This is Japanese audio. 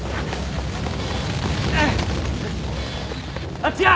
あっちや！